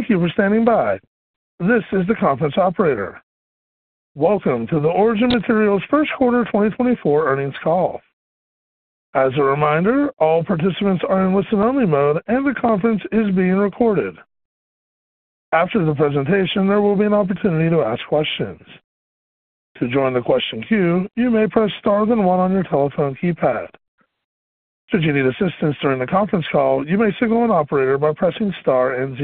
Thank you for standing by. This is the conference operator. Welcome to the Origin Materials first quarter 2024 Earnings Call. As a reminder, all participants are in listen-only mode and the conference is being recorded. After the presentation there will be an opportunity to ask questions. To join the question queue you may press star then 1 on your telephone keypad. Should you need assistance during the conference call you may signal an operator by pressing star and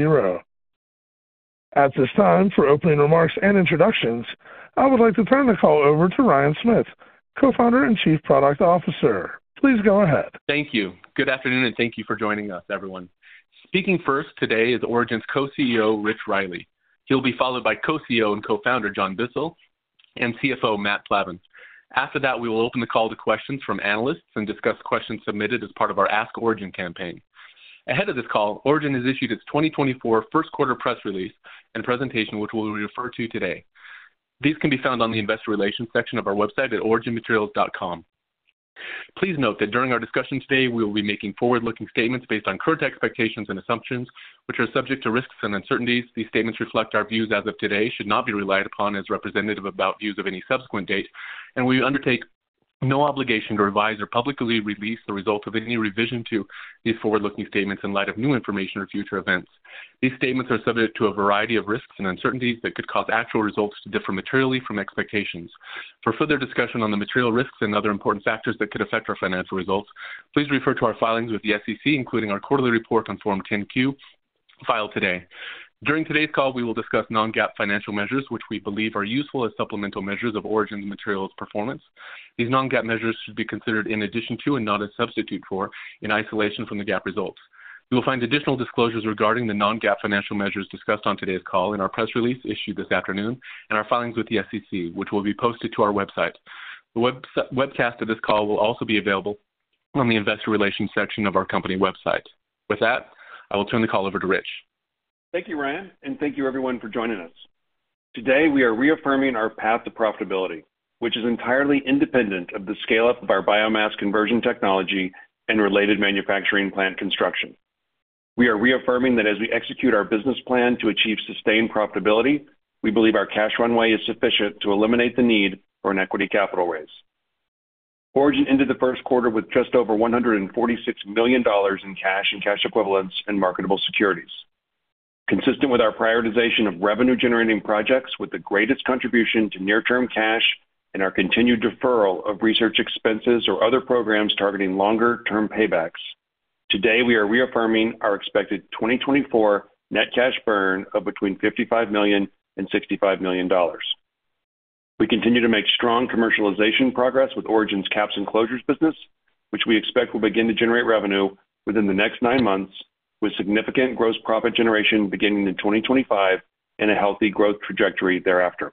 0. At this time, for opening remarks and introductions, I would like to turn the call over to Ryan Smith, Co-founder and Chief Product Officer. Please go ahead. Thank you. Good afternoon and thank you for joining us, everyone. Speaking first today is Origin's Co-CEO Rich Riley. He'll be followed by Co-CEO and Co-founder John Bissell and CFO Matt Plavan. After that we will open the call to questions from analysts and discuss questions submitted as part of our Ask Origin campaign. Ahead of this call Origin has issued its 2024 first quarter press release and presentation which we will refer to today. These can be found on the Investor Relations section of our website at originmaterials.com. Please note that during our discussion today we will be making forward-looking statements based on current expectations and assumptions which are subject to risks and uncertainties. These statements reflect our views as of today, should not be relied upon as representative about views of any subsequent date, and we undertake no obligation to revise or publicly release the results of any revision to these forward-looking statements in light of new information or future events. These statements are subject to a variety of risks and uncertainties that could cause actual results to differ materially from expectations. For further discussion on the material risks and other important factors that could affect our financial results, please refer to our filings with the SEC including our quarterly report on Form 10-Q filed today. During today's call we will discuss non-GAAP financial measures which we believe are useful as supplemental measures of Origin Materials performance. These non-GAAP measures should be considered in addition to and not a substitute for in isolation from the GAAP results. You will find additional disclosures regarding the non-GAAP financial measures discussed on today's call in our press release issued this afternoon and our filings with the SEC, which will be posted to our website. The webcast of this call will also be available on the Investor Relations section of our company website. With that, I will turn the call over to Rich. Thank you Ryan and thank you everyone for joining us. Today we are reaffirming our path to profitability which is entirely independent of the scale-up of our biomass conversion technology and related manufacturing plant construction. We are reaffirming that as we execute our business plan to achieve sustained profitability we believe our cash runway is sufficient to eliminate the need for an equity capital raise. Origin ended the first quarter with just over $146 million in cash and cash equivalents and marketable securities. Consistent with our prioritization of revenue-generating projects with the greatest contribution to near-term cash and our continued deferral of research expenses or other programs targeting longer-term paybacks today we are reaffirming our expected 2024 net cash burn of between $55 million and $65 million. We continue to make strong commercialization progress with Origin's caps and closures business which we expect will begin to generate revenue within the next nine months with significant gross profit generation beginning in 2025 and a healthy growth trajectory thereafter.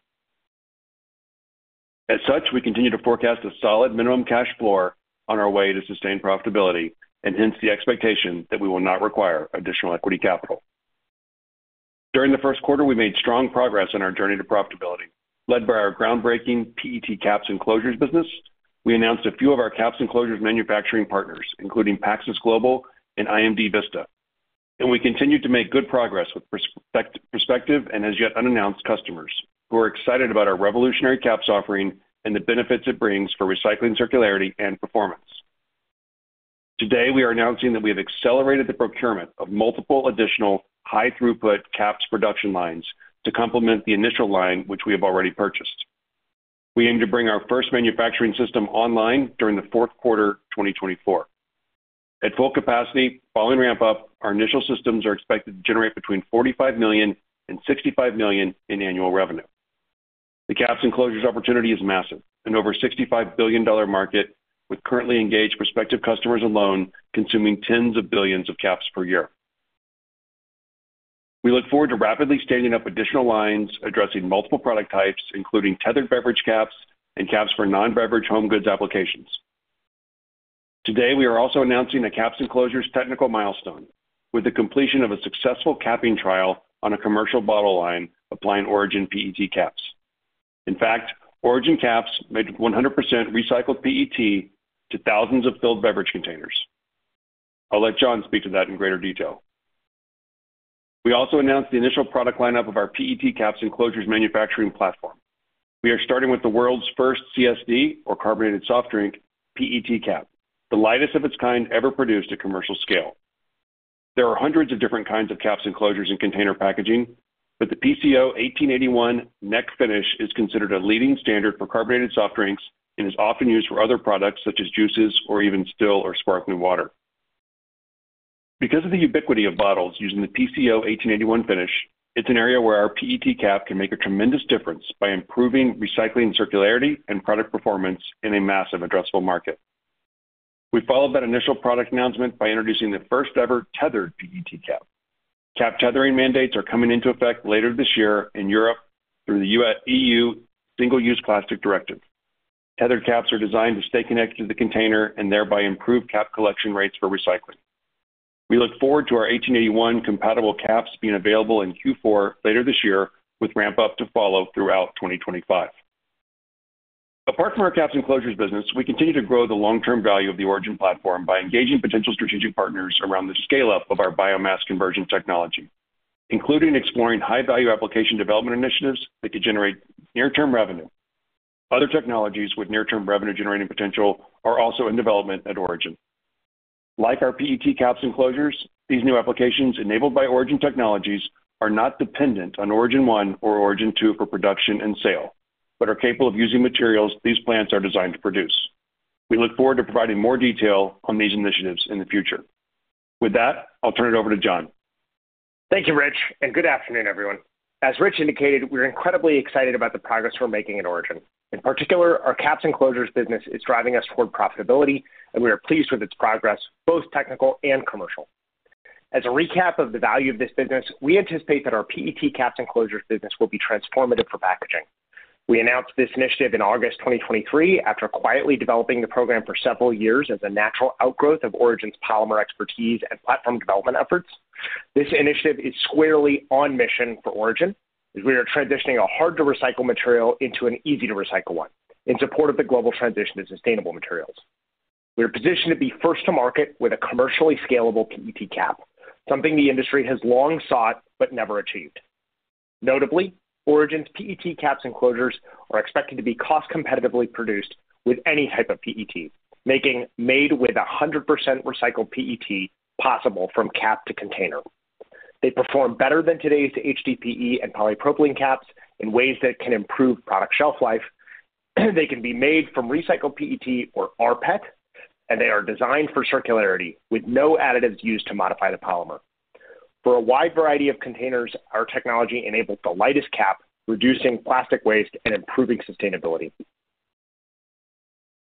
As such we continue to forecast a solid minimum cash floor on our way to sustained profitability and hence the expectation that we will not require additional equity capital. During the first quarter we made strong progress on our journey to profitability led by our groundbreaking PET caps and closures business. We announced a few of our caps and closures manufacturing partners including PackSys Global and IMDvista and we continue to make good progress with prospective and as yet unannounced customers who are excited about our revolutionary caps offering and the benefits it brings for recycling circularity and performance. Today we are announcing that we have accelerated the procurement of multiple additional high-throughput caps production lines to complement the initial line which we have already purchased. We aim to bring our first manufacturing system online during the fourth quarter 2024. At full capacity following ramp-up our initial systems are expected to generate between $45 million and $65 million in annual revenue. The caps and closures opportunity is massive, an over $65 billion market with currently engaged prospective customers alone consuming tens of billions of caps per year. We look forward to rapidly standing up additional lines addressing multiple product types including tethered beverage caps and caps for non-beverage home goods applications. Today we are also announcing a caps and closures technical milestone with the completion of a successful capping trial on a commercial bottle line applying Origin PET caps. In fact, Origin caps made 100% recycled PET to thousands of filled beverage containers. I'll let John speak to that in greater detail. We also announced the initial product lineup of our PET caps and closures manufacturing platform. We are starting with the world's first CSD or carbonated soft drink PET cap, the lightest of its kind ever produced at commercial scale. There are hundreds of different kinds of caps and closures in container packaging, but the PCO 1881 neck finish is considered a leading standard for carbonated soft drinks and is often used for other products such as juices or even still or sparkling water. Because of the ubiquity of bottles using the PCO 1881 finish, it's an area where our PET cap can make a tremendous difference by improving recycling circularity and product performance in a massive addressable market. We followed that initial product announcement by introducing the first-ever tethered PET cap. Cap tethering mandates are coming into effect later this year in Europe through the EU single-use plastic directive. Tethered caps are designed to stay connected to the container and thereby improve cap collection rates for recycling. We look forward to our 1881 compatible caps being available in Q4 later this year with ramp-up to follow throughout 2025. Apart from our caps and closures business, we continue to grow the long-term value of the Origin platform by engaging potential strategic partners around the scale-up of our biomass conversion technology including exploring high-value application development initiatives that could generate near-term revenue. Other technologies with near-term revenue-generating potential are also in development at Origin. Like our PET caps and closures, these new applications enabled by Origin technologies are not dependent on Origin 1 or Origin 2 for production and sale but are capable of using materials these plants are designed to produce. We look forward to providing more detail on these initiatives in the future. With that, I'll turn it over to John. Thank you, Rich, and good afternoon, everyone. As Rich indicated, we're incredibly excited about the progress we're making at Origin. In particular, our caps and closures business is driving us toward profitability, and we are pleased with its progress both technical and commercial. As a recap of the value of this business, we anticipate that our PET caps and closures business will be transformative for packaging. We announced this initiative in August 2023 after quietly developing the program for several years as a natural outgrowth of Origin's polymer expertise and platform development efforts. This initiative is squarely on mission for Origin as we are transitioning a hard-to-recycle material into an easy-to-recycle one in support of the global transition to sustainable materials. We are positioned to be first to market with a commercially scalable PET cap, something the industry has long sought but never achieved. Notably Origin's PET caps and closures are expected to be cost-competitively produced with any type of PET making made with 100% recycled PET possible from cap to container. They perform better than today's HDPE and polypropylene caps in ways that can improve product shelf life. They can be made from recycled PET or RPET and they are designed for circularity with no additives used to modify the polymer. For a wide variety of containers our technology enables the lightest cap reducing plastic waste and improving sustainability.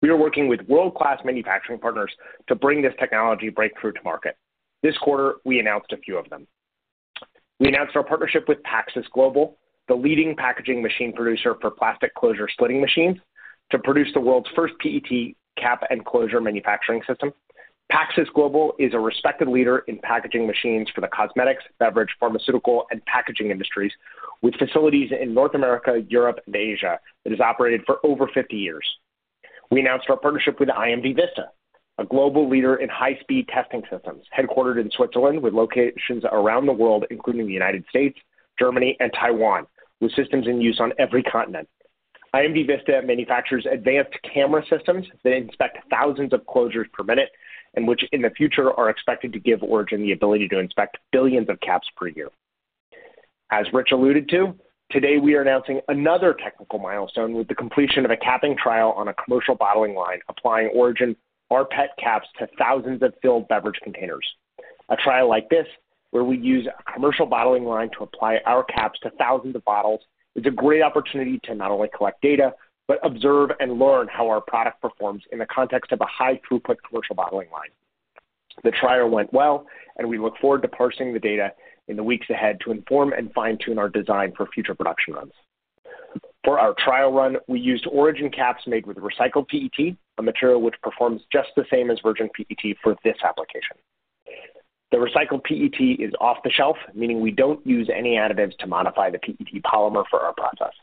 We are working with world-class manufacturing partners to bring this technology breakthrough to market. This quarter we announced a few of them. We announced our partnership with PackSys Global the leading packaging machine producer for plastic closure slitting machines to produce the world's first PET cap and closure manufacturing system. PackSys Global is a respected leader in packaging machines for the cosmetics, beverage, pharmaceutical, and packaging industries with facilities in North America, Europe, and Asia that has operated for over 50 years. We announced our partnership with IMDvista, a global leader in high-speed testing systems headquartered in Switzerland with locations around the world including the United States, Germany, and Taiwan, with systems in use on every continent. IMDvista manufactures advanced camera systems that inspect thousands of closures per minute, and which in the future are expected to give Origin the ability to inspect billions of caps per year. As Rich alluded to today, we are announcing another technical milestone with the completion of a capping trial on a commercial bottling line applying Origin RPET caps to thousands of filled beverage containers. A trial like this where we use a commercial bottling line to apply our caps to thousands of bottles is a great opportunity to not only collect data but observe and learn how our product performs in the context of a high-throughput commercial bottling line. The trial went well and we look forward to parsing the data in the weeks ahead to inform and fine-tune our design for future production runs. For our trial run we used Origin caps made with recycled PET, a material which performs just the same as Virgin PET for this application. The recycled PET is off-the-shelf, meaning we don't use any additives to modify the PET polymer for our process.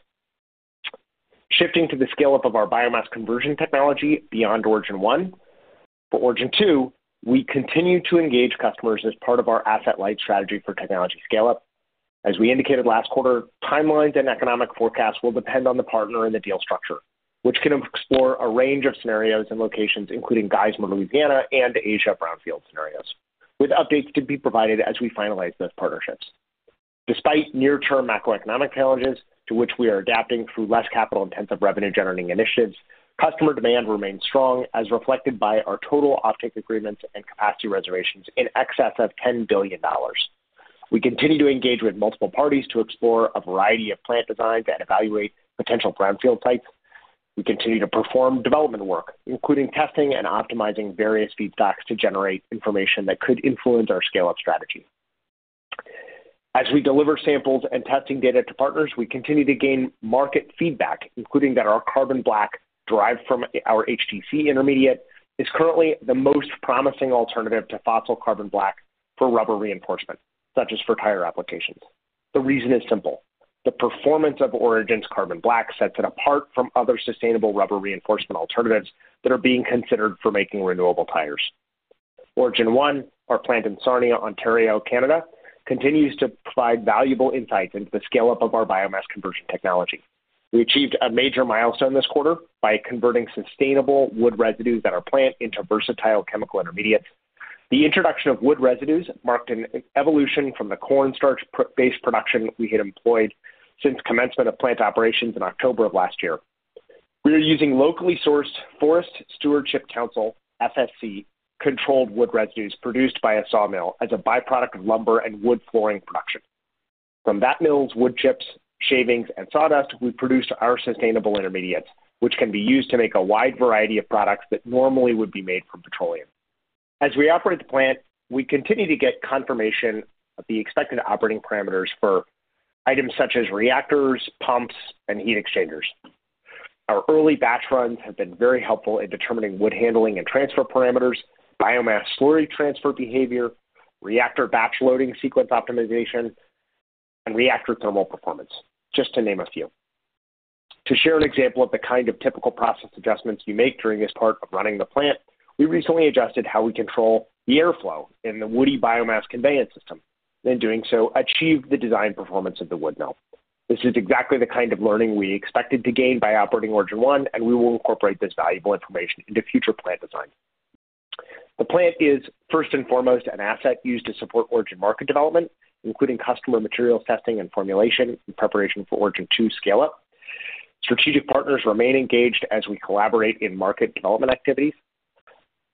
Shifting to the scale-up of our biomass conversion technology beyond Origin 1. For Origin 2, we continue to engage customers as part of our asset-light strategy for technology scale-up. As we indicated last quarter, timelines and economic forecasts will depend on the partner and the deal structure, which can explore a range of scenarios and locations including Geismar, Louisiana, and Asia brownfield scenarios, with updates to be provided as we finalize those partnerships. Despite near-term macroeconomic challenges to which we are adapting through less capital-intensive revenue-generating initiatives, customer demand remains strong as reflected by our total offtake agreements and capacity reservations in excess of $10 billion. We continue to engage with multiple parties to explore a variety of plant designs and evaluate potential brownfield sites. We continue to perform development work including testing and optimizing various feedstocks to generate information that could influence our scale-up strategy. As we deliver samples and testing data to partners we continue to gain market feedback including that our carbon black derived from our HTC intermediate is currently the most promising alternative to fossil carbon black for rubber reinforcement such as for tire applications. The reason is simple. The performance of Origin's carbon black sets it apart from other sustainable rubber reinforcement alternatives that are being considered for making renewable tires. Origin 1, our plant in Sarnia, Ontario, Canada continues to provide valuable insights into the scale-up of our biomass conversion technology. We achieved a major milestone this quarter by converting sustainable wood residues at our plant into versatile chemical intermediates. The introduction of wood residues marked an evolution from the cornstarch-based production we had employed since commencement of plant operations in October of last year. We are using locally sourced Forest Stewardship Council (FSC) controlled wood residues produced by a sawmill as a byproduct of lumber and wood flooring production. From that mill's wood chips, shavings, and sawdust we produce our sustainable intermediates which can be used to make a wide variety of products that normally would be made from petroleum. As we operate the plant we continue to get confirmation of the expected operating parameters for items such as reactors, pumps, and heat exchangers. Our early batch runs have been very helpful in determining wood handling and transfer parameters, biomass slurry transfer behavior, reactor batch loading sequence optimization, and reactor thermal performance just to name a few. To share an example of the kind of typical process adjustments you make during this part of running the plant, we recently adjusted how we control the airflow in the woody biomass conveyance system and, in doing so, achieved the design performance of the wood mill. This is exactly the kind of learning we expected to gain by operating Origin 1 and we will incorporate this valuable information into future plant designs. The plant is first and foremost an asset used to support Origin market development including customer materials testing and formulation in preparation for Origin 2 scale-up. Strategic partners remain engaged as we collaborate in market development activities.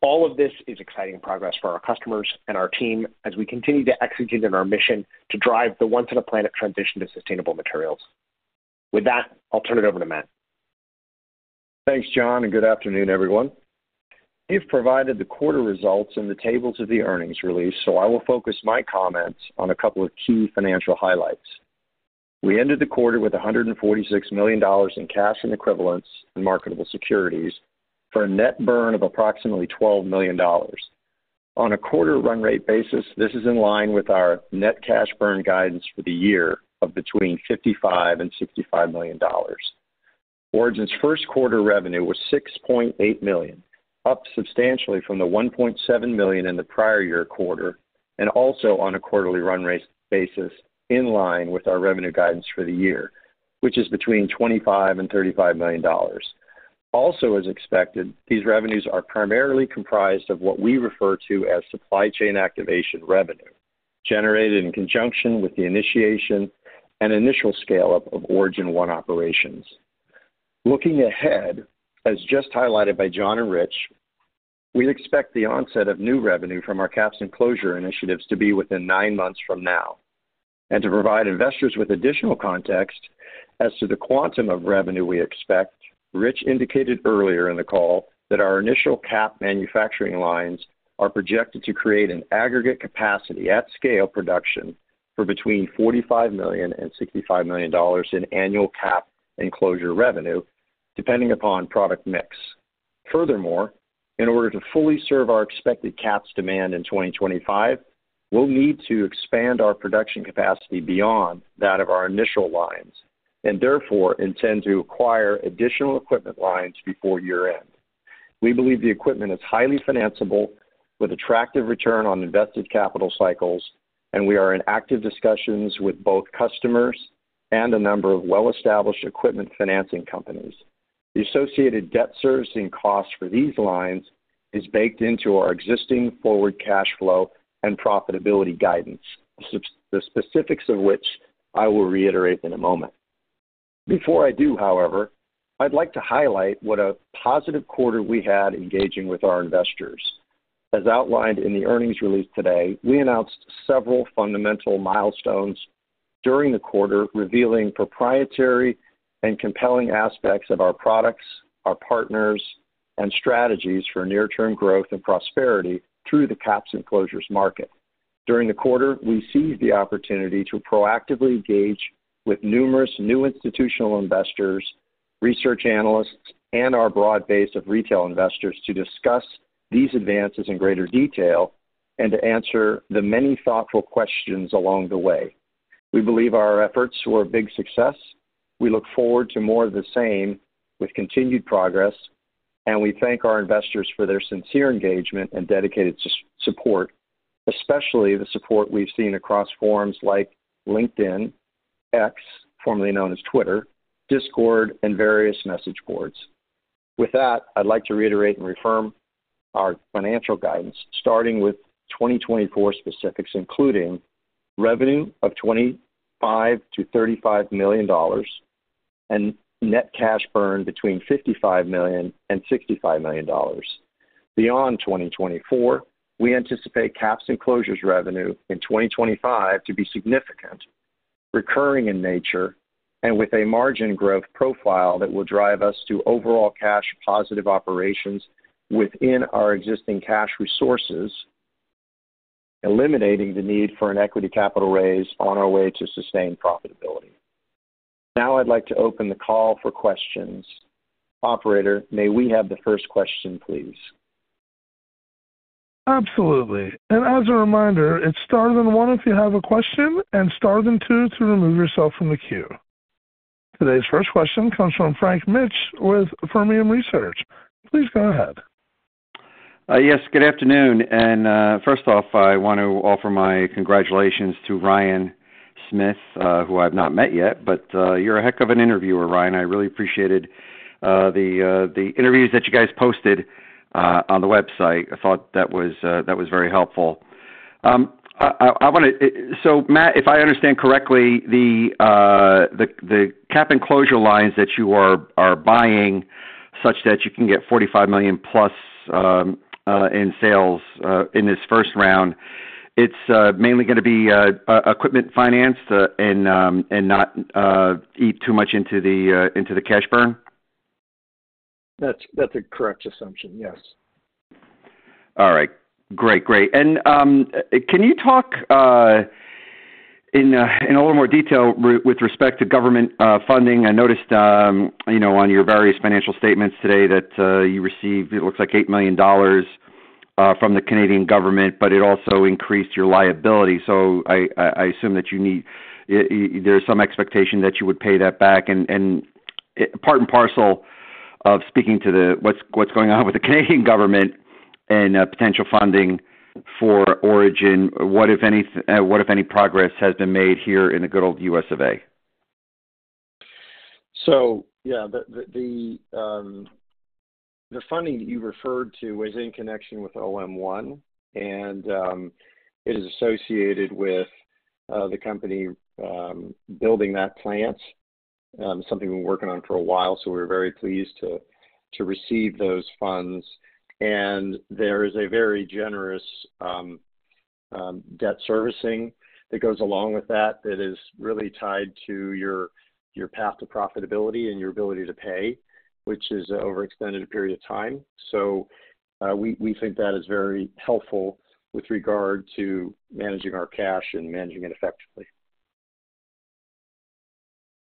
All of this is exciting progress for our customers and our team as we continue to execute on our mission to drive the once-in-a-planet transition to sustainable materials. With that I'll turn it over to Matt. Thanks John and good afternoon everyone. You've provided the quarter results and the tables of the earnings release so I will focus my comments on a couple of key financial highlights. We ended the quarter with $146 million in cash and equivalents and marketable securities for a net burn of approximately $12 million. On a quarter run-rate basis this is in line with our net cash burn guidance for the year of between $55 to $65 million. Origin's first quarter revenue was $6.8 million up substantially from the $1.7 million in the prior year quarter and also on a quarterly run-rate basis in line with our revenue guidance for the year which is between $25 to $35 million. Also as expected these revenues are primarily comprised of what we refer to as supply chain activation revenue generated in conjunction with the initiation and initial scale-up of Origin 1 operations. Looking ahead, as just highlighted by John and Rich, we expect the onset of new revenue from our caps and closure initiatives to be within 9 months from now. And, to provide investors with additional context as to the quantum of revenue we expect, Rich indicated earlier in the call that our initial cap manufacturing lines are projected to create an aggregate capacity at scale production for between $45 million and $65 million in annual cap and closure revenue depending upon product mix. Furthermore, in order to fully serve our expected caps demand in 2025, we'll need to expand our production capacity beyond that of our initial lines and therefore intend to acquire additional equipment lines before year-end. We believe the equipment is highly financeable with attractive return on invested capital cycles, and we are in active discussions with both customers and a number of well-established equipment financing companies. The associated debt servicing costs for these lines is baked into our existing forward cash flow and profitability guidance, the specifics of which I will reiterate in a moment. Before I do, however, I'd like to highlight what a positive quarter we had engaging with our investors. As outlined in the earnings release today, we announced several fundamental milestones during the quarter, revealing proprietary and compelling aspects of our products, our partners, and strategies for near-term growth and prosperity through the caps and closures market. During the quarter, we seized the opportunity to proactively engage with numerous new institutional investors, research analysts, and our broad base of retail investors to discuss these advances in greater detail and to answer the many thoughtful questions along the way. We believe our efforts were a big success. We look forward to more of the same with continued progress and we thank our investors for their sincere engagement and dedicated support especially the support we've seen across forums like LinkedIn, X formerly known as Twitter, Discord, and various message boards. With that I'd like to reiterate and reaffirm our financial guidance starting with 2024 specifics including revenue of $25-$35 million and net cash burn between $55 million and $65 million. Beyond 2024 we anticipate caps and closures revenue in 2025 to be significant, recurring in nature, and with a margin growth profile that will drive us to overall cash-positive operations within our existing cash resources eliminating the need for an equity capital raise on our way to sustained profitability. Now I'd like to open the call for questions. Operator, may we have the first question please. Absolutely. And as a reminder, it's star, then one if you have a question and star, then two to remove yourself from the queue. Today's first question comes from Frank Mitsch with Fermium Research. Please go ahead. Yes, good afternoon, and first off, I want to offer my congratulations to Ryan Smith, who I've not met yet, but you're a heck of an interviewer, Ryan. I really appreciated the interviews that you guys posted on the website. I want to, so Matt, if I understand correctly, the cap and closure lines that you are buying such that you can get $45 million plus in sales in this first round—it's mainly going to be equipment financed and not eat too much into the cash burn? That's a correct assumption, yes. All right. Great. Great. And can you talk in a little more detail with respect to government funding? I noticed on your various financial statements today that you received, it looks like, $8 million from the Canadian government but it also increased your liability so I assume there's some expectation that you would pay that back. And part and parcel of speaking to what's going on with the Canadian government and potential funding for Origin, what if any progress has been made here in the good old U.S. of A? So yeah, the funding that you referred to is in connection with Origin 1, and it is associated with the company building that plant. It's something we've been working on for a while, so we're very pleased to receive those funds. And there is a very generous debt servicing that goes along with that that is really tied to your path to profitability and your ability to pay, which is over an extended period of time. So we think that is very helpful with regard to managing our cash and managing it effectively.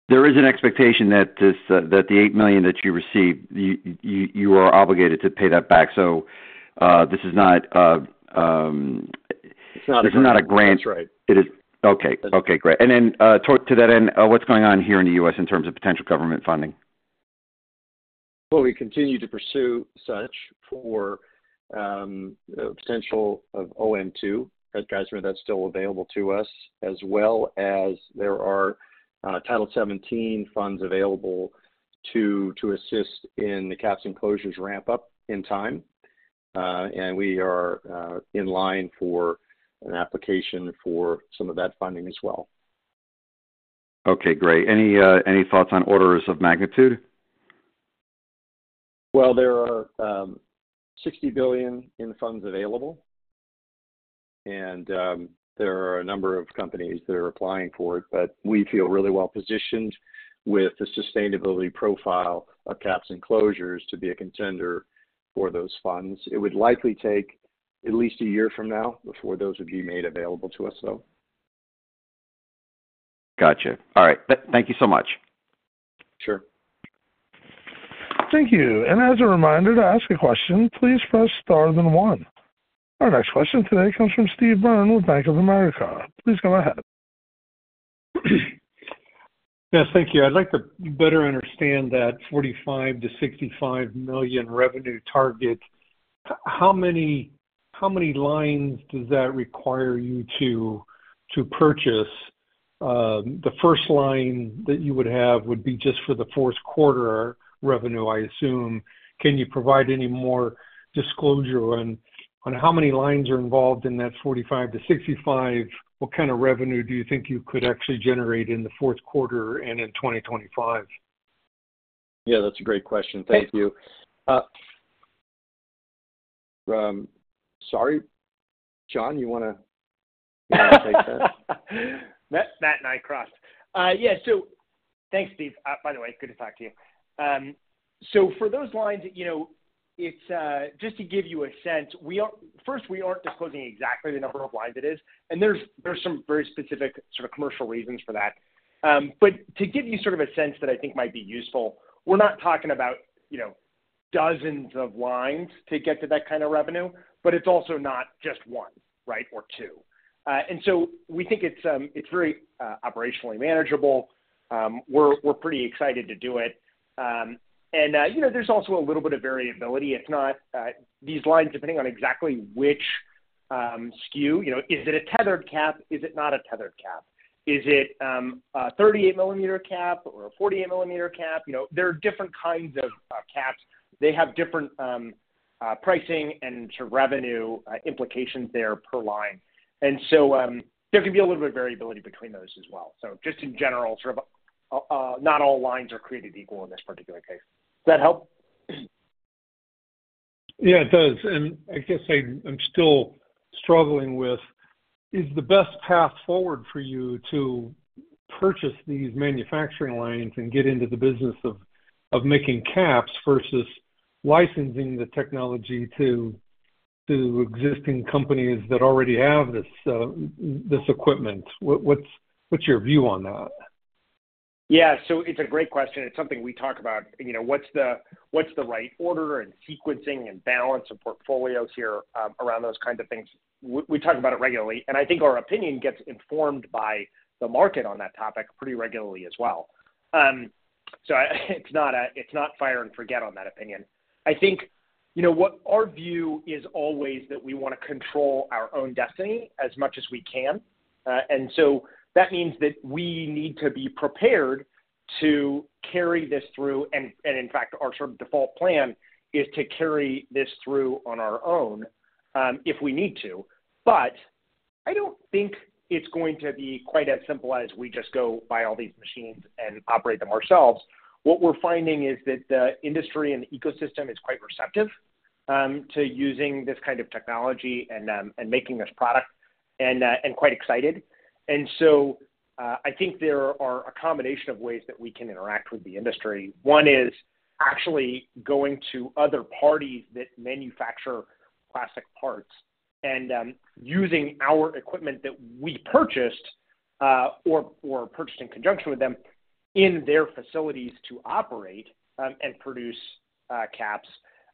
There is an expectation that the $8 million that you received, you are obligated to pay that back, so this is not a grant. It's not a grant that's right. Okay. Okay. Great. And then to that end what's going on here in the U.S. in terms of potential government funding? Well, we continue to pursue such for potential of Origin 2. At Geismar, that's still available to us as well as there are Title 17 funds available to assist in the caps and closures ramp-up in time and we are in line for an application for some of that funding as well. Okay. Great. Any thoughts on orders of magnitude? Well, there are $60 billion in funds available, and there are a number of companies that are applying for it, but we feel really well positioned with the sustainability profile of caps and closures to be a contender for those funds. It would likely take at least a year from now before those would be made available to us though. Gotcha. All right. Thank you so much. Sure. Thank you. As a reminder, to ask a question please press star, then one. Our next question today comes from Steve Byrne with Bank of America. Please go ahead. Yes, thank you. I'd like to better understand that $45-$65 million revenue target. How many lines does that require you to purchase? The first line that you would have would be just for the fourth quarter revenue, I assume. Can you provide any more disclosure on how many lines are involved in that $45-$65? What kind of revenue do you think you could actually generate in the fourth quarter and in 2025? Yeah, that's a great question. Thank you. Sorry, John, you want to take that? Matt and I crossed. Yeah, so thanks, Steve. By the way, good to talk to you. So, for those lines, it's just to give you a sense. First, we aren't disclosing exactly the number of lines it is, and there's some very specific sort of commercial reasons for that. But to give you sort of a sense that I think might be useful, we're not talking about dozens of lines to get to that kind of revenue, but it's also not just one, right, or two. And so we think it's very operationally manageable. We're pretty excited to do it. And there's also a little bit of variability. It's not these lines depending on exactly which SKU: is it a tethered cap, is it not a tethered cap, is it a 38-millimeter cap or a 48-millimeter cap? There are different kinds of caps. They have different pricing and sort of revenue implications there per line. And so there can be a little bit of variability between those as well. So just in general sort of not all lines are created equal in this particular case. Does that help? Yeah it does. And I guess I'm still struggling with is the best path forward for you to purchase these manufacturing lines and get into the business of making caps versus licensing the technology to existing companies that already have this equipment? What's your view on that? Yeah, so it's a great question. It's something we talk about. What's the right order and sequencing and balance of portfolios here around those kinds of things? We talk about it regularly and I think our opinion gets informed by the market on that topic pretty regularly as well. So it's not fire and forget on that opinion. I think what our view is always that we want to control our own destiny as much as we can. And so that means that we need to be prepared to carry this through and in fact our sort of default plan is to carry this through on our own if we need to. But I don't think it's going to be quite as simple as we just go buy all these machines and operate them ourselves. What we're finding is that the industry and the ecosystem is quite receptive to using this kind of technology and making this product and quite excited. And so I think there are a combination of ways that we can interact with the industry. One is actually going to other parties that manufacture plastic parts and using our equipment that we purchased or purchased in conjunction with them in their facilities to operate and produce caps.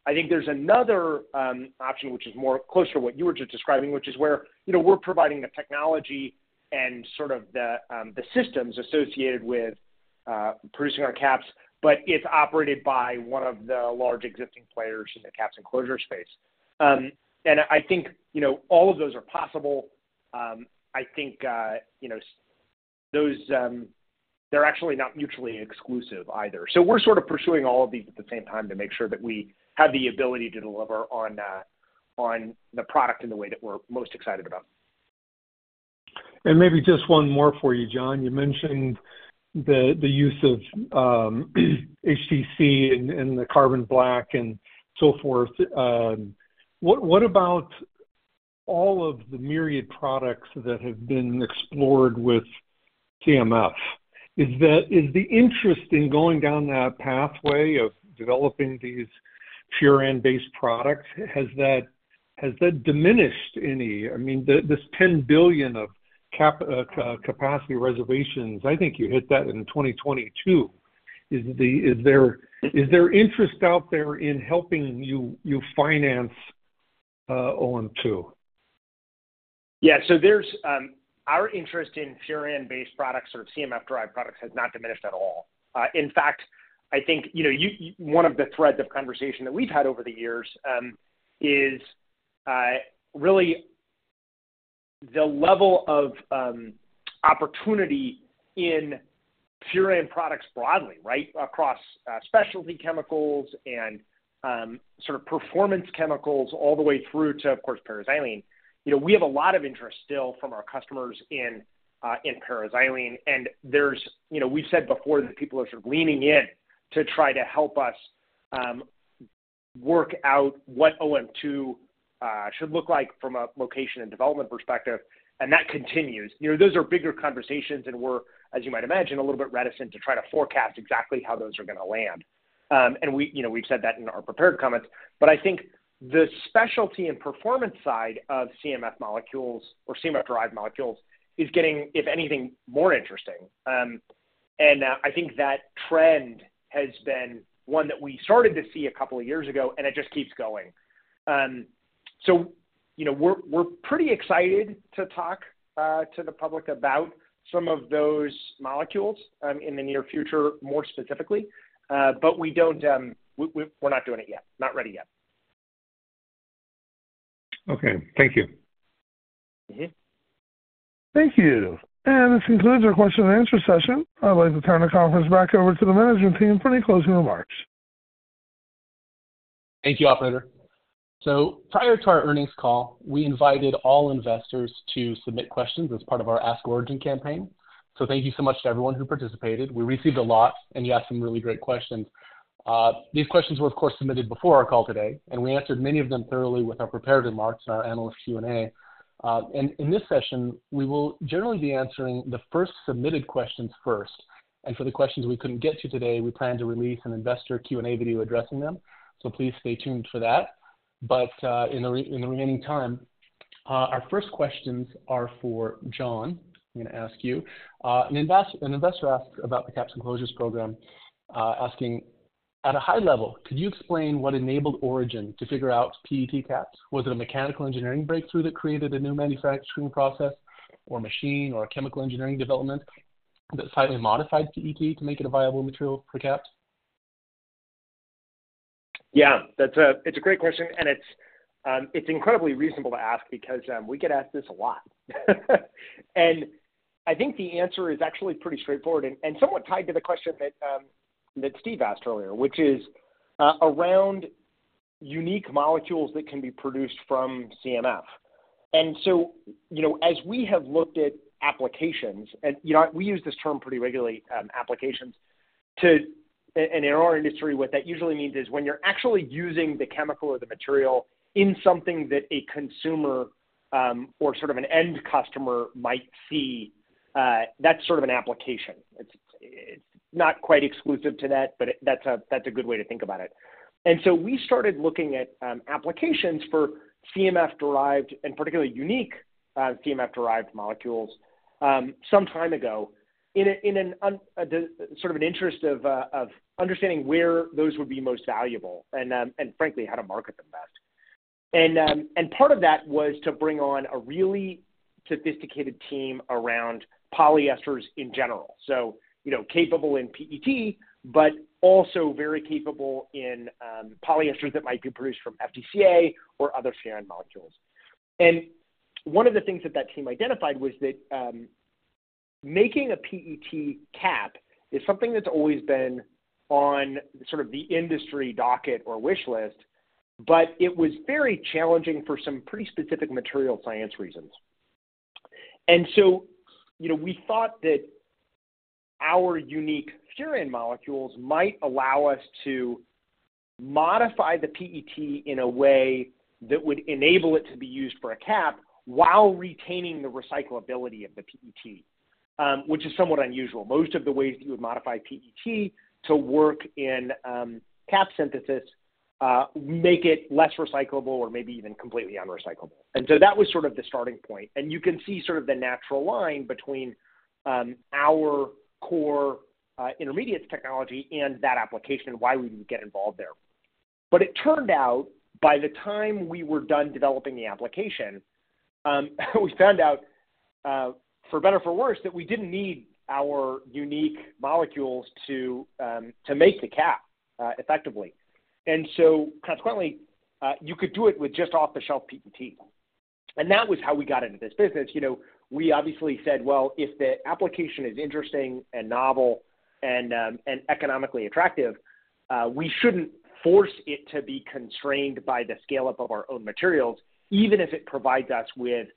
I think there's another option which is more close to what you were just describing which is where we're providing the technology and sort of the systems associated with producing our caps but it's operated by one of the large existing players in the caps and closure space. And I think all of those are possible. I think those they're actually not mutually exclusive either. So we're sort of pursuing all of these at the same time to make sure that we have the ability to deliver on the product in the way that we're most excited about. Maybe just one more for you, John. You mentioned the use of HTC and the carbon black and so forth. What about all of the myriad products that have been explored with CMF? Is the interest in going down that pathway of developing these pure end-based products? Has that diminished any? I mean, this $10 billion of capacity reservations. I think you hit that in 2022. Is there interest out there in helping you finance OM 2? Yeah, so there's our interest in pure end-based products, sort of CMF-driven products, has not diminished at all. In fact, I think one of the threads of conversation that we've had over the years is really the level of opportunity in pure end products broadly, right across specialty chemicals and sort of performance chemicals all the way through to, of course, paraxylene. We have a lot of interest still from our customers in paraxylene, and there's—we've said before that people are sort of leaning in to try to help us work out what OM 2 should look like from a location and development perspective, and that continues. Those are bigger conversations, and we're, as you might imagine, a little bit reticent to try to forecast exactly how those are going to land. And we've said that in our prepared comments. I think the specialty and performance side of CMF molecules or CMF-derived molecules is getting, if anything, more interesting. I think that trend has been one that we started to see a couple of years ago and it just keeps going. We're pretty excited to talk to the public about some of those molecules in the near future more specifically, but we don't, we're not doing it yet. Not ready yet. Okay. Thank you. Thank you. This concludes our question and answer session. I'd like to turn the conference back over to the management team for any closing remarks. Thank you, operator. So prior to our earnings call we invited all investors to submit questions as part of our Ask Origin campaign. So thank you so much to everyone who participated. We received a lot and you asked some really great questions. These questions were of course submitted before our call today and we answered many of them thoroughly with our prepared remarks and our analyst Q&A. And in this session we will generally be answering the first submitted questions first. And for the questions we couldn't get to today we plan to release an investor Q&A video addressing them. So please stay tuned for that. But in the remaining time our first questions are for John. I'm going to ask you. An investor asks about the caps and closures program, asking at a high level: could you explain what enabled Origin to figure out PET caps? Was it a mechanical engineering breakthrough that created a new manufacturing process or machine or a chemical engineering development that slightly modified PET to make it a viable material for caps? Yeah, that's a great question, and it's incredibly reasonable to ask because we get asked this a lot. I think the answer is actually pretty straightforward and somewhat tied to the question that Steve asked earlier, which is around unique molecules that can be produced from CMF. So as we have looked at applications and we use this term pretty regularly, applications too and in our industry what that usually means is when you're actually using the chemical or the material in something that a consumer or sort of an end customer might see, that's sort of an application. It's not quite exclusive to that, but that's a good way to think about it. And so we started looking at applications for CMF-derived and particularly unique CMF-derived molecules some time ago in sort of an interest of understanding where those would be most valuable and frankly how to market them best. And part of that was to bring on a really sophisticated team around polyesters in general. So capable in PET but also very capable in polyesters that might be produced from FDCA or other pure end molecules. And one of the things that that team identified was that making a PET cap is something that's always been on sort of the industry docket or wish list but it was very challenging for some pretty specific materials science reasons. We thought that our unique pure end molecules might allow us to modify the PET in a way that would enable it to be used for a cap while retaining the recyclability of the PET, which is somewhat unusual. Most of the ways that you would modify PET to work in cap synthesis make it less recyclable or maybe even completely unrecyclable. That was sort of the starting point, and you can see sort of the natural line between our core intermediates technology and that application and why we would get involved there. It turned out by the time we were done developing the application we found out for better or for worse that we didn't need our unique molecules to make the cap effectively. Consequently, you could do it with just off-the-shelf PET. That was how we got into this business. We obviously said well if the application is interesting and novel and economically attractive we shouldn't force it to be constrained by the scale up of our own materials even if it provides us with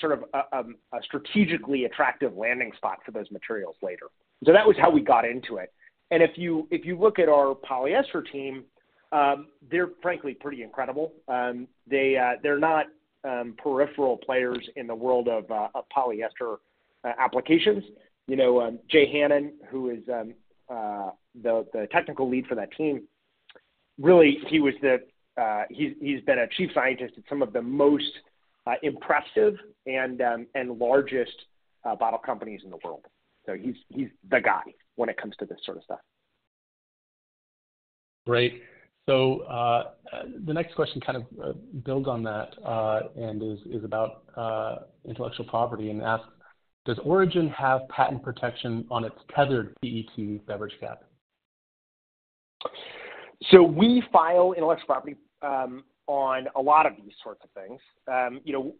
sort of a strategically attractive landing spot for those materials later. That was how we got into it. If you look at our polyester team they're frankly pretty incredible. They're not peripheral players in the world of polyester applications. Jay Hanan who is the technical lead for that team really he's been a chief scientist at some of the most impressive and largest bottle companies in the world. So he's the guy when it comes to this sort of stuff. Great. So the next question kind of builds on that and is about intellectual property and asks, does Origin have patent protection on its tethered PET beverage cap? So we file intellectual property on a lot of these sorts of things.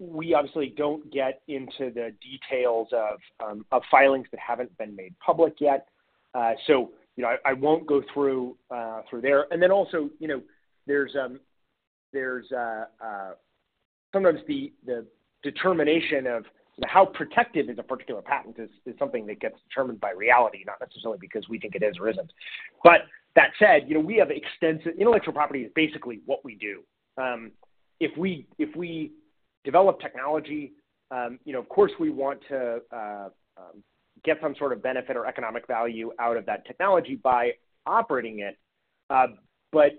We obviously don't get into the details of filings that haven't been made public yet. So I won't go through there. And then also there's sometimes the determination of how protective a particular patent is, something that gets determined by reality, not necessarily because we think it is or isn't. But that said, we have extensive intellectual property. Basically what we do. If we develop technology, of course we want to get some sort of benefit or economic value out of that technology by operating it. But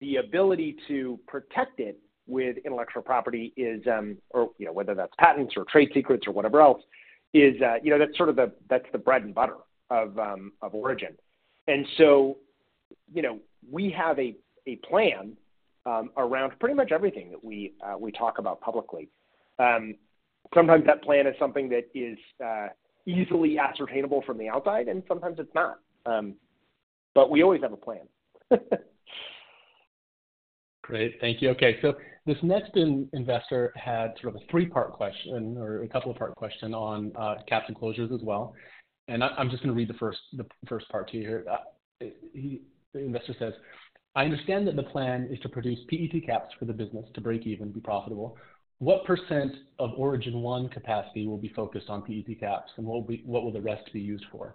the ability to protect it with intellectual property, or whether that's patents or trade secrets or whatever else, is that's sort of the bread and butter of Origin. And so we have a plan around pretty much everything that we talk about publicly. Sometimes that plan is something that is easily ascertainable from the outside and sometimes it's not. But we always have a plan. Great. Thank you. Okay. So this next investor had sort of a three part question or a couple of part question on caps and closures as well. And I'm just going to read the first part to you here. The investor says, I understand that the plan is to produce PET caps for the business to break even be profitable. What % of Origin 1 capacity will be focused on PET caps and what will the rest be used for?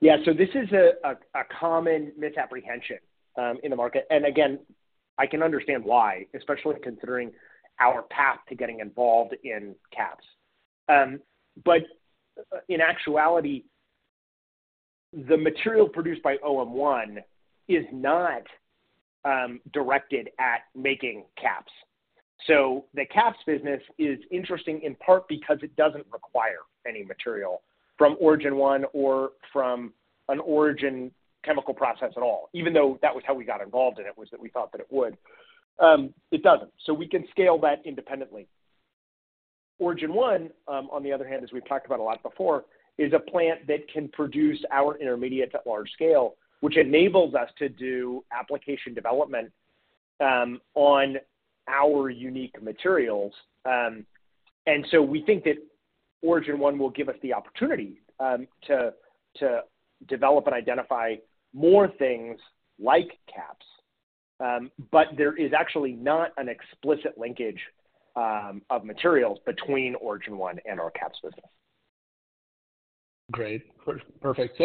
Yeah, so this is a common misapprehension in the market. And again, I can understand why, especially considering our path to getting involved in caps. But in actuality, the material produced by Origin 1 is not directed at making caps. So the caps business is interesting in part because it doesn't require any material from Origin 1 or from an Origin chemical process at all even though that was how we got involved in it was that we thought that it would. It doesn't. So we can scale that independently. Origin 1 on the other hand, as we've talked about a lot before, is a plant that can produce our intermediates at large scale which enables us to do application development on our unique materials. And so we think that Origin 1 will give us the opportunity to develop and identify more things like caps. But there is actually not an explicit linkage of materials between Origin 1 and our caps business. Great. Perfect.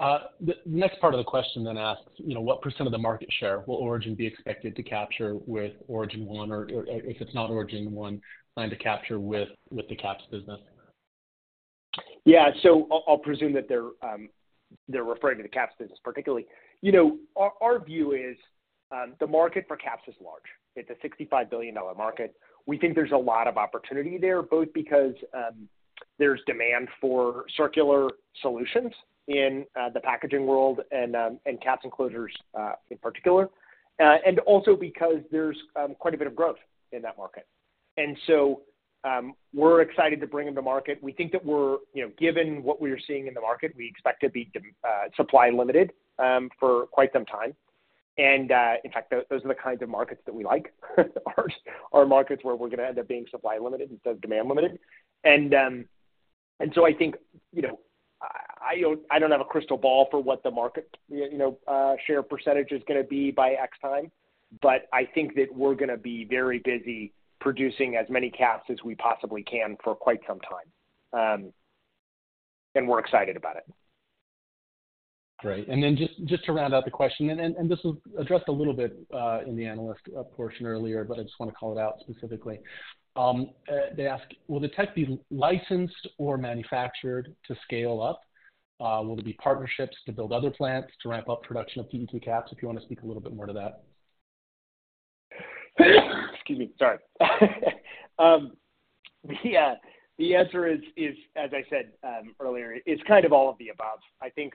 So the next part of the question then asks what % of the market share will Origin be expected to capture with Origin 1 or if it's not Origin 1 planned to capture with the caps business? Yeah, so I'll presume that they're referring to the caps business particularly. Our view is the market for caps is large. It's a $65 billion market. We think there's a lot of opportunity there both because there's demand for circular solutions in the packaging world and caps and closures in particular and also because there's quite a bit of growth in that market. And so we're excited to bring them to market. We think that, given what we're seeing in the market, we expect to be supply limited for quite some time. And in fact those are the kinds of markets that we like. Our markets where we're going to end up being supply limited instead of demand limited. So I think I don't have a crystal ball for what the market share percentage is going to be by X time but I think that we're going to be very busy producing as many caps as we possibly can for quite some time. We're excited about it. Great. And then just to round out the question and this was addressed a little bit in the analyst portion earlier but I just want to call it out specifically. They ask will the tech be licensed or manufactured to scale up? Will there be partnerships to build other plants to ramp up production of PET caps if you want to speak a little bit more to that? Excuse me. Sorry. The answer is, as I said earlier, it's kind of all of the above. I think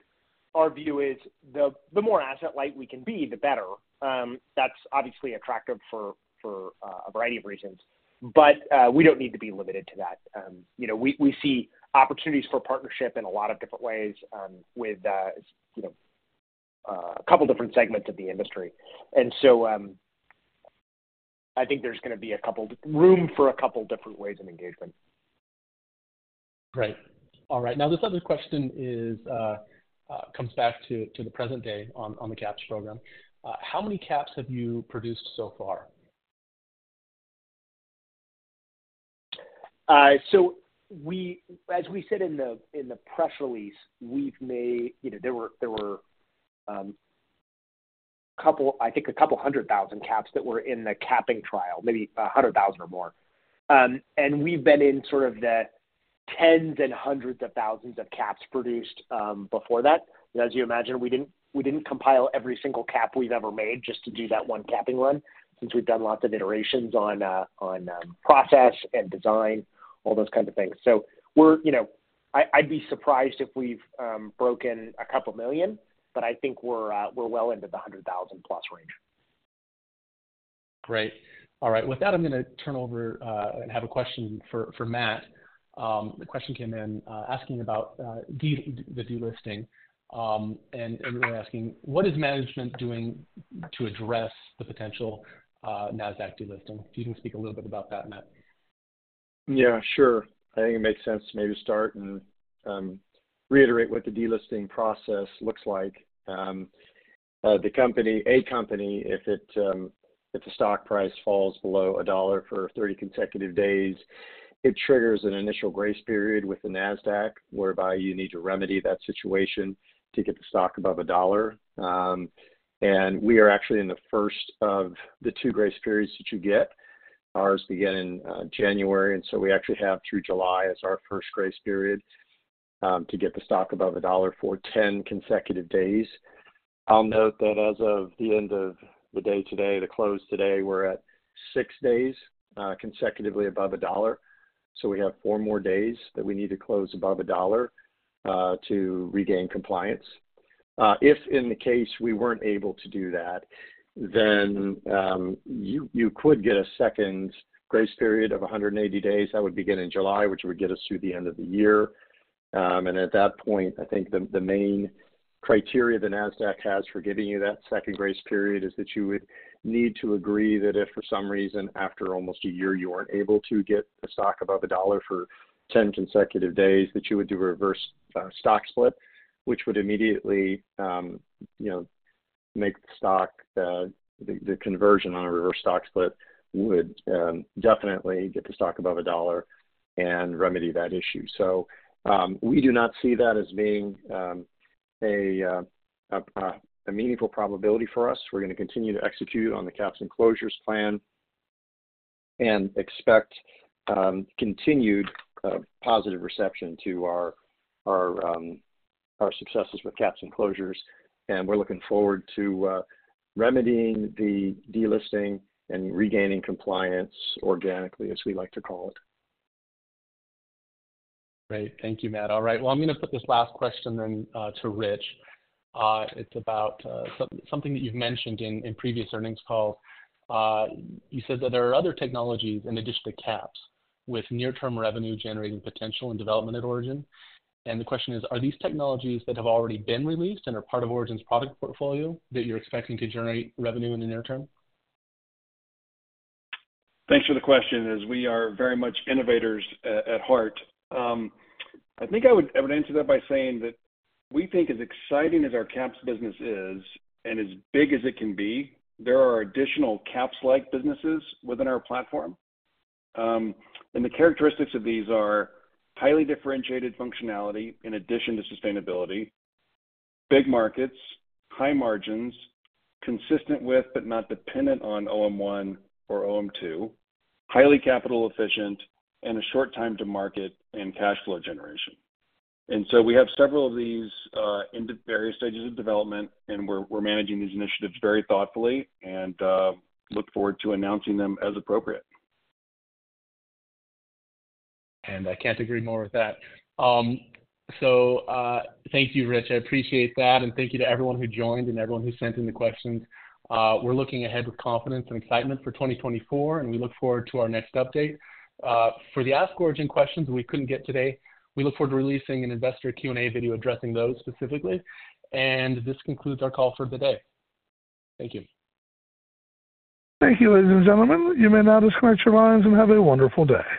our view is the more asset light we can be the better. That's obviously attractive for a variety of reasons, but we don't need to be limited to that. We see opportunities for partnership in a lot of different ways with a couple different segments of the industry. And so I think there's going to be room for a couple different ways of engagement. Great. All right. Now this other question comes back to the present day on the caps program. How many caps have you produced so far? So, as we said in the press release we've made, there were a couple, I think, a couple 100,000 caps that were in the capping trial, maybe 100,000 or more. We've been in sort of the tens and hundreds of thousands of caps produced before that. As you imagine, we didn't compile every single cap we've ever made just to do that one capping run since we've done lots of iterations on process and design, all those kinds of things. I'd be surprised if we've broken 2 million, but I think we're well into the 100,000 plus range. Great. All right. With that I'm going to turn over and have a question for Matt. The question came in asking about the delisting and asking what is management doing to address the potential Nasdaq delisting? If you can speak a little bit about that Matt. Yeah, sure. I think it makes sense to maybe start and reiterate what the delisting process looks like. The company if its stock price falls below $1 for 30 consecutive days it triggers an initial grace period with the Nasdaq whereby you need to remedy that situation to get the stock above $1. We are actually in the first of the two grace periods that you get. Ours began in January and so we actually have through July as our first grace period to get the stock above $1 for 10 consecutive days. I'll note that as of the end of the day today the close today we're at 6 days consecutively above $1. So we have 4 more days that we need to close above $1 to regain compliance. If in the case we weren't able to do that then you could get a second grace period of 180 days that would begin in July which would get us through the end of the year. At that point I think the main criteria the Nasdaq has for giving you that second grace period is that you would need to agree that if for some reason after almost a year you weren't able to get the stock above $1 for 10 consecutive days that you would do a reverse stock split which would immediately make the stock the conversion on a reverse stock split would definitely get the stock above $1 and remedy that issue. We do not see that as being a meaningful probability for us. We're going to continue to execute on the caps and closures plan and expect continued positive reception to our successes with caps and closures. And we're looking forward to remedying the delisting and regaining compliance organically as we like to call it. Great. Thank you Matt. All right. Well I'm going to put this last question then to Rich. It's about something that you've mentioned in previous earnings calls. You said that there are other technologies in addition to caps with near term revenue generating potential and development at Origin. And the question is are these technologies that have already been released and are part of Origin's product portfolio that you're expecting to generate revenue in the near term? Thanks for the question as we are very much innovators at heart. I think I would answer that by saying that we think as exciting as our caps business is and as big as it can be there are additional caps like businesses within our platform. The characteristics of these are highly differentiated functionality in addition to sustainability, big markets, high margins consistent with but not dependent on OM 1 or OM 2, highly capital efficient and a short time to market and cash flow generation. So we have several of these in various stages of development and we're managing these initiatives very thoughtfully and look forward to announcing them as appropriate. I can't agree more with that. Thank you Rich. I appreciate that and thank you to everyone who joined and everyone who sent in the questions. We're looking ahead with confidence and excitement for 2024 and we look forward to our next update. For the ask Origin questions we couldn't get today we look forward to releasing an investor Q&A video addressing those specifically. This concludes our call for the day. Thank you. Thank you ladies and gentlemen. You may now disconnect your lines and have a wonderful day.